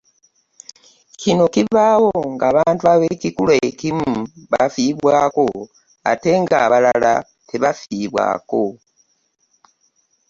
Kino kibaawo ng’abantu ab’ekikula ekimu bafiibwako ate ng’abalala tebafiibwako